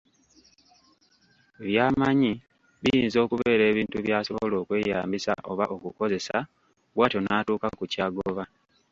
By'amanyi, biyinza okubeera ebintu by'asobola okweyambisa oba okukozesa, bw'atyo n'atuuka ku ky'agoba.